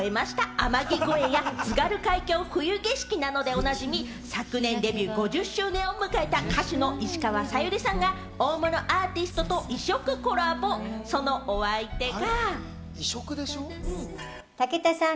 『天城越え』や『津軽海峡・冬景色』などでおなじみ、昨年デビュー５０周年を迎えた歌手の石川さゆりさんが大物アーティストと異色コラボ、そのお相手が。